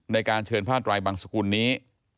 ในการเชิญผ้าไตรบังสกุลนี้